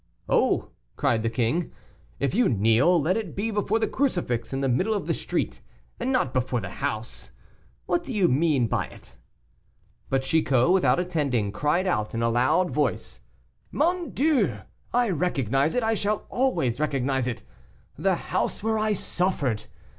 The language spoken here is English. "Oh!" cried the king, "if you kneel, let it be before the crucifix in the middle of the street, and not before the house. What do you mean by it?" But Chicot, without attending, cried out in a loud voice: "Mon Dieu! I recognize it, I shall always recognize it the house where I suffered!